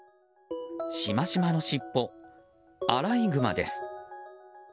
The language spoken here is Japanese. しましまの尻尾、アライグマです。